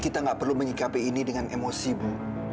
kita gak perlu menyikapi ini dengan emosi bu